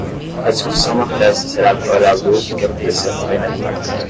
A discussão na festa será agora à luz do que aconteceu no painel.